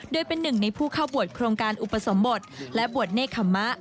โดยเป็นหนึ่งในผู้เข้าบวชโครงการอุปสมบทและบวชเนธรรมะ